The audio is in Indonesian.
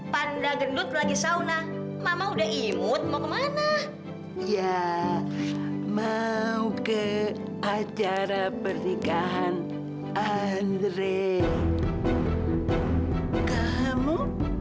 panda gendut lagi sauna mama udah imut mau kemana ya mau ke acara pernikahan andre kamu